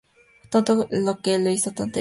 Tonto es el que hace tonterías